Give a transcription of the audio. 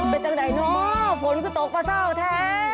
ไปใจไหนเนาะฝนคือตกปะเจ้าแท้